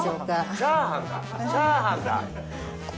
チャーハンだ！